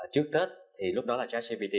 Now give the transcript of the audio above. trước tết thì lúc đó là jack gpt